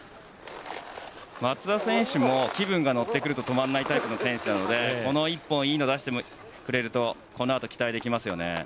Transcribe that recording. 松田選手も気分が乗ってくると止まらない選手なのでこの１本いいのを出してくれるとこのあと期待できますね。